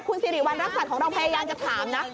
คุณสิริวัณรักษัตริย์ของเราพยายามจะถามนะ